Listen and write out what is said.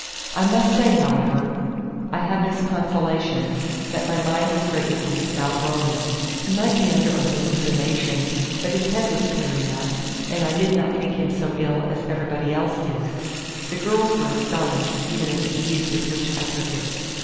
I must say, however, I had this consolation, that my mind was greatly eased about Roland. He might be under a hallucination; but his head was clear enough, and I did not think him so ill as everybody else did. The girls were astonished even at the ease with which I took it.